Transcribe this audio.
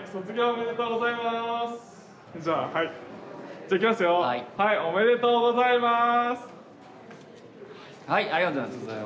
・おめでとうございます。